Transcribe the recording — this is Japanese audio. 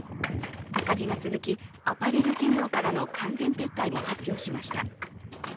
赤字が続き、アパレル事業からの完全撤退も発表しました。